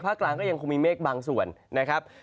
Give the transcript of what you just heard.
กลางก็ยังคงมีเมฆบางส่วนนะครับ